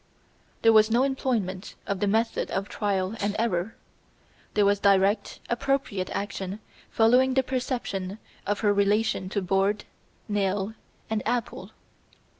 "There was no employment of the method of trial and error; there was direct appropriate action following the perception of her relation to board, nail, and apple."